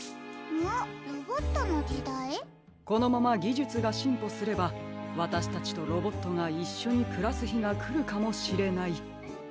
「このままぎじゅつがしんぽすればわたしたちとロボットがいっしょにくらすひがくるかもしれない」だそうです。